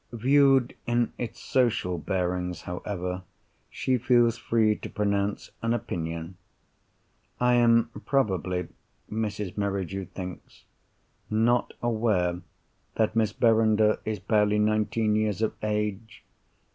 Viewed in its social bearings, however, she feels free to pronounce an opinion. I am probably, Mrs. Merridew thinks, not aware that Miss Verinder is barely nineteen years of age.